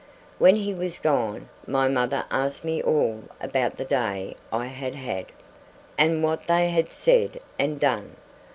When he was gone, my mother asked me all about the day I had had, and what they had said and done.